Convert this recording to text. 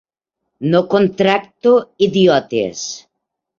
No contracto idiotes.